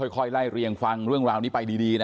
ค่อยไล่เรียงฟังเรื่องราวนี้ไปดีนะ